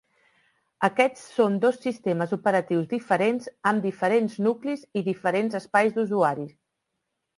Aquests són dos sistemes operatius diferents amb diferents nuclis i diferents espais d'usuari.